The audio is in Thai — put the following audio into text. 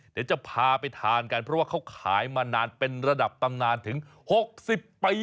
เดี๋ยวจะพาไปทานกันเพราะว่าเขาขายมานานเป็นระดับตำนานถึง๖๐ปี